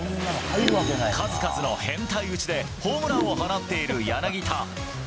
数々の変態打ちでホームランを放っている柳田。